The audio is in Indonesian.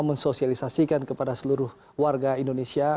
mensosialisasikan kepada seluruh warga indonesia